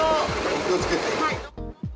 気をつけて。